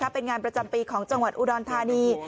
เป็นงานประจำปีของจังหวัดอุดรธานี